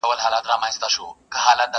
له انګلیسي ترجمې څخه!!